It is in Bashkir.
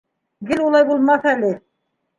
Гел улай булмаҫ әле!